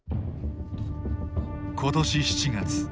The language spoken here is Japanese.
今年７月。